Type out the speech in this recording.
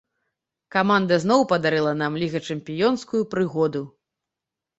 Каманда зноў падарыла нам лігачэмпіёнскую прыгоду.